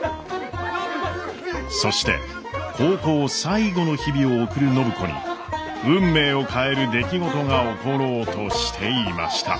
そして高校最後の日々を送る暢子に運命を変える出来事が起ころうとしていました。